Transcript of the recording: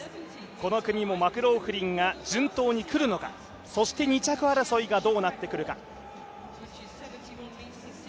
この組もマクローフリンが順当に来るのか、そして２着争いがどうなってくるか。